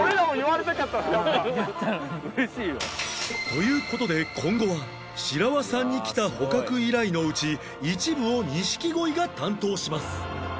という事で今後は白輪さんに来た捕獲依頼のうち一部を錦鯉が担当します